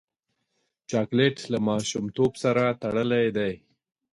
چاکلېټ له ماشومتوب سره تړلی دی.